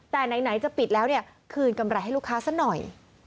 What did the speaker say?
แต่ไหนจะปิดแล้วเนี่ยคืนกำไรให้ลูกค้าซะหน่อย